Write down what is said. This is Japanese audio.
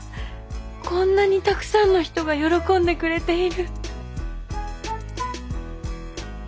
こんなにたくさんの人が喜んでくれている。